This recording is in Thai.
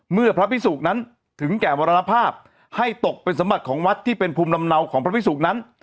พระพิสุกนั้นถึงแก่มรณภาพให้ตกเป็นสมบัติของวัดที่เป็นภูมิลำเนาของพระพิสุกนั้น